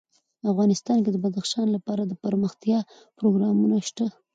افغانستان کې د بدخشان لپاره دپرمختیا پروګرامونه شته.